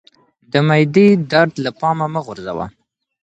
د معدې درد له پامه مه غورځوه